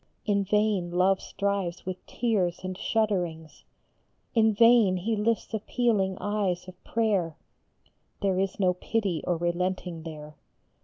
In vain Love strives with tears and shudderings, THREE PICTURES. 123 In vain he lifts appealing eyes of prayer ; There is no pity or relenting there.